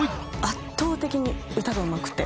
圧倒的に歌がうまくて。